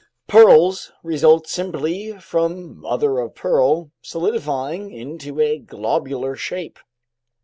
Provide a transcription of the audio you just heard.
Pearls result simply from mother of pearl solidifying into a globular shape.